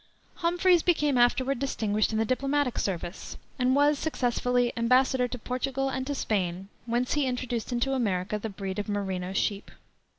Humphreys became afterward distinguished in the diplomatic service, and was, successively, embassador to Portugal and to Spain, whence he introduced into America the breed of merino sheep.